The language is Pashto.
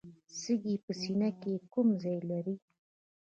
سږي په سینه کې کوم ځای لري